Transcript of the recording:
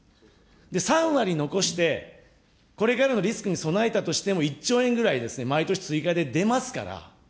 ３割残して、これからのリスクに備えたとしても、１兆円ぐらいですね、毎年、追加で出ますから。